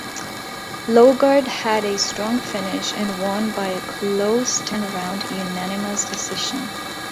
Logart had a strong finish and won by a close ten-round unanimous decision.